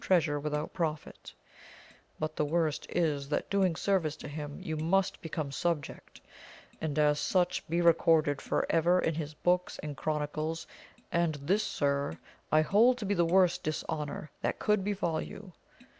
19 treasure vrithout profit ; but the worst is, that doing service to him, you must become subject, and as such, be recorded for ever, in his books, and chronicles ; and this, sir, I hold to be the worst dishonour that could befall you.